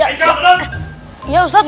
aduh ya ustadz